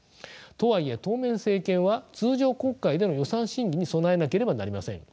とはいえ当面政権は通常国会での予算審議に備えなければなりません。